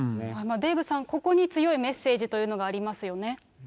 デーブさん、ここに強いメッセージというのがありますよね。